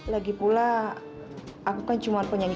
lagi pula aku kan cuma penyanyi